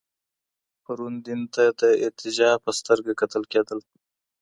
پرون دين ته د ارتجاع په سترګه کتل کېدل.